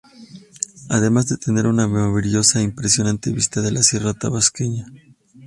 Además de tener una maravillosa e impresionante vista de la sierra tabasqueña.